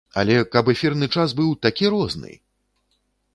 Але каб эфірны час быў такі розны!